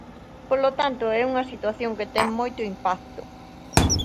Polo tanto, é unha situación que ten moito impacto.